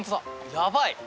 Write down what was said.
やばい！